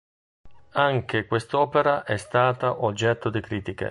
Anche quest'opera è stata oggetto di critiche.